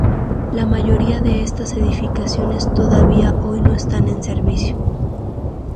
La mayoría de estas edificaciones todavía hoy están en servicio.